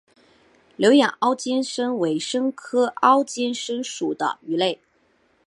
牛眼凹肩鲹为鲹科凹肩鲹属的鱼类。